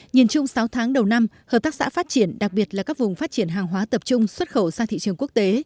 nhìn chung sáu tháng đầu năm hợp tác xã phát triển đặc biệt là các vùng phát triển hàng hóa tập trung xuất khẩu sang thị trường quốc tế